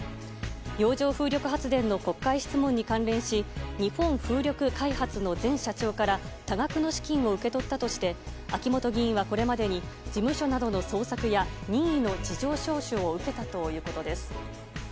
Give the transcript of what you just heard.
洋上風力発電の国会質問に関連し日本風力開発の前社長から多額の資金を受け取ったとして秋本議員は、これまでに事務所などの捜索や任意の事情聴取を受けたということです。